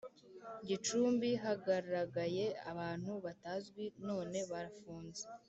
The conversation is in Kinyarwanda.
Gicumbi hagaragaye abantu batazwi none barafunze